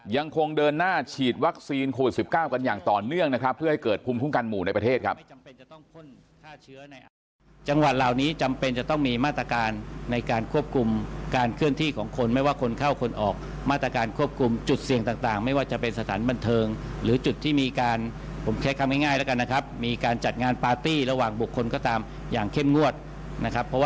ยังคงเดินหน้าฉีดวัคซีนโควิด๑๙กันอย่างต่อเนื่องนะครับ